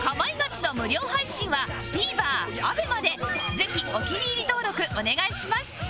ぜひお気に入り登録お願いします